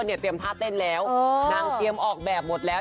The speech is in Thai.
เตรียมท่าเต้นแล้วนางเตรียมออกแบบหมดแล้ว